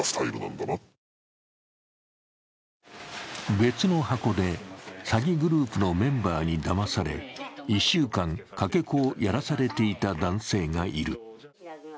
別の箱で詐欺グループのメンバーにだまされ１週間、かけ子をやらされていた男性がいる。